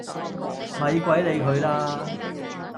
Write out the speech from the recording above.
咪鬼理佢啦